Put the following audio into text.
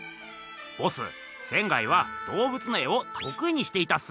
ボス仙は動物の絵をとくいにしていたっす。